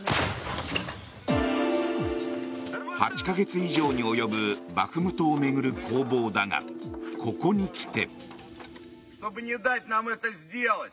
８か月以上に及ぶバフムトを巡る攻防だがここに来て。